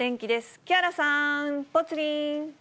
木原さん、ぽつリン。